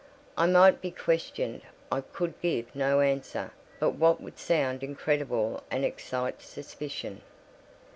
I might be questioned: I could give no answer but what would sound incredible and excite suspicion.